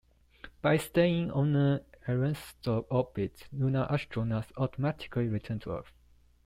By staying on the Arenstorf orbit, lunar astronauts automatically return to Earth.